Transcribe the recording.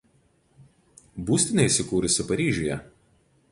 Būstinė įsikūrusi Paryžiuje.